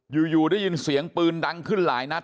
อยู่ได้ยินเสียงปืนดังขึ้นหลายนัด